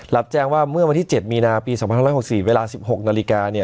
รับแจ้งว่าเมื่อวันที่๗มีนาปี๒๑๖๔เวลา๑๖นาฬิกา